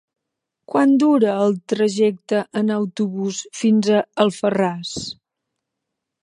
Quant dura el trajecte en autobús fins a Alfarràs?